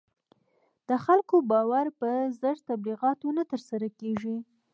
د خلکو باور په زر تبلیغاتو نه تر لاسه کېږي.